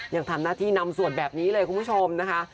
ยังทำหน้าที่นำสวดแบบนี้เลยคุณผู้ชมนะคะ